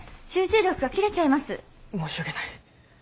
申し訳ない。